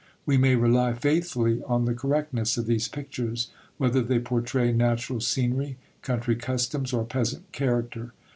We may rely faithfully on the correctness of these pictures, whether they portray natural scenery, country customs, or peasant character.